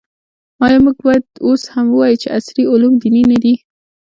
او آیا موږ باید اوس هم ووایو چې عصري علوم دیني نه دي؟